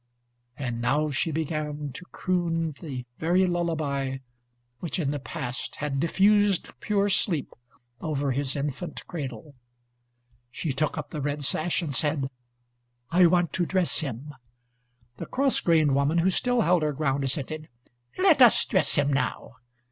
And now she began to croon the very lullaby which in the past had diffused pure sleep over his infant cradle. She took up the red sash and said, "I want to dress him." The cross grained woman, who still held her ground, assented. "Let us dress him now."